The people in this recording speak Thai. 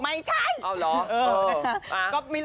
ไม่ใช่